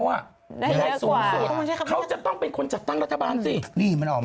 มันต้องเข้าไปขนาดสูง